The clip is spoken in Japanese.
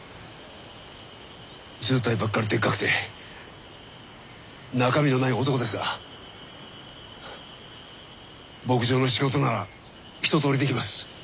ずうたいばっかりでっかくて中身のない男ですが牧場の仕事なら一とおりできます。